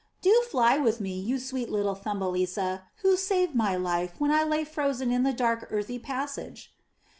Do fly with me, you sweet little Thumbelisa, who saved my life when I lay frozen in the dark earthy passage."